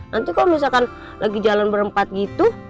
nanti kalau misalkan lagi jalan berempat gitu